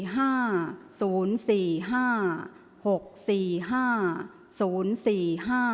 ออกรางวัลที่๖เลขที่๗